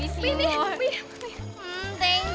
aku rindu kamu bambang